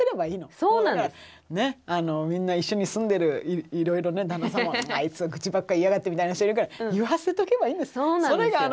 みんな一緒に住んでるいろいろね旦那さんは「あいつ愚痴ばっか言いやがって」みたいな人いるけど言わせとけばいいんです。そうなんですよ。